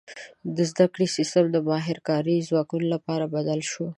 • د زده کړې سیستم د ماهر کاري ځواک لپاره بدل شو.